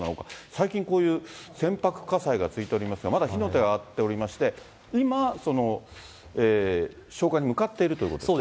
最近、こういう船舶火災が続いておりますが、まだ火の手が上がっておりまして、今、消火に向かっているということですね。